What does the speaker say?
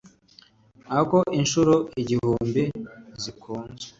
Ah Ko inshuro igihumbi zikunzwe